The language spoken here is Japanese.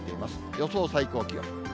予想最高気温。